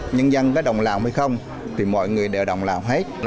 nhân dân có đồng làm hay không thì mọi người đều đồng làm hết